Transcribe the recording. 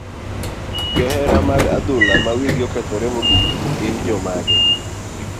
Johera mag adhula ma wigi okethore mogik gin jomage?